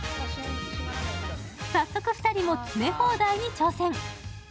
早速２人も、詰め放題に挑戦。